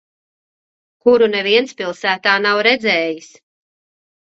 Kuru neviens pilsētā nav redzējis.